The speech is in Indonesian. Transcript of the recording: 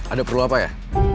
ada perlu apa ya